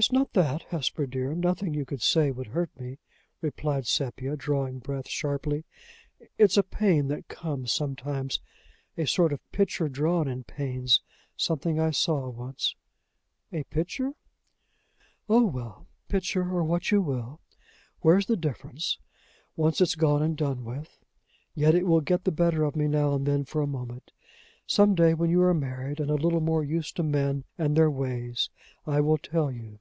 "It's not that, Hesper, dear. Nothing you could say would hurt me," replied Sepia, drawing breath sharply. "It's a pain that comes sometimes a sort of picture drawn in pains something I saw once." "A picture?" "Oh! well! picture, or what you will! Where's the difference, once it's gone and done with? Yet it will get the better of me now and then for a moment! Some day, when you are married, and a little more used to men and their ways, I will tell you.